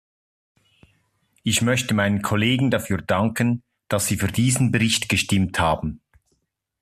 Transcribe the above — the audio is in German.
Ich möchte meinen Kollegen dafür danken, dass sie für diesen Bericht gestimmt haben.